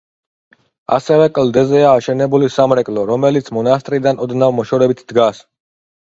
ასევე კლდეზეა აშენებული სამრეკლო, რომელიც მონასტრიდან ოდნავ მოშორებით დგას.